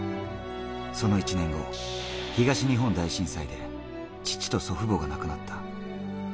その１年後、東日本大震災で父と祖父母が亡くなった。